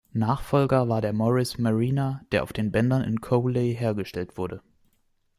Nachfolger war der Morris Marina, der auf den Bändern in Cowley hergestellt wurde.